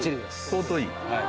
相当いい？